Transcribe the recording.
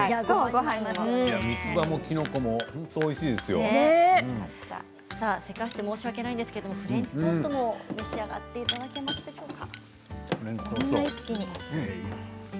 みつばも、きのこもせかして申し訳ないんですが、フレンチトーストを召し上がっていただけますか？